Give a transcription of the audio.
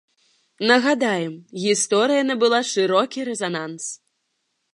Нагадаем, гісторыя набыла шырокі рэзананс.